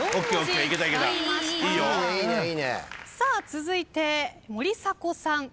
続いて森迫さん。